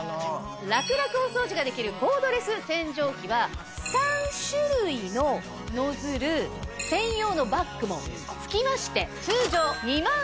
楽々お掃除ができるコードレス洗浄機は３種類のノズル専用のバッグも付きまして。